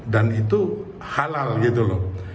dan itu halal gitu loh